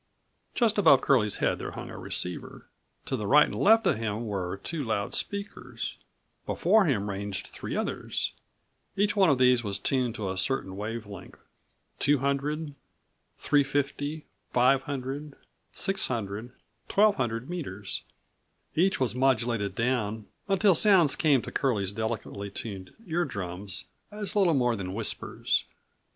Just above Curlie's head there hung a receiver. To the right and left of him were two loud speakers. Before him ranged three others. Each one of these was tuned to a certain wave length, 200, 350, 500, 600, 1200 meters. Each was modulated down until sounds came to Curlie's delicately tuned ear drums as little more than whispers.